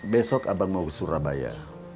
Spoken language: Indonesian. besok abang mau ke surabaya